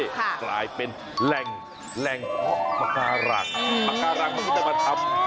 ค่ะกลายเป็นแหล่งแหล่งอ๋อปากาหลังอืมปากาหลังมันจะมาทำ